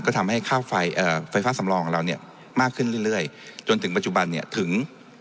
ก็ทำให้ค่าไฟไฟฟ้าสำรองของเราเนี่ยมากขึ้นเรื่อยจนถึงปัจจุบันเนี่ยถึง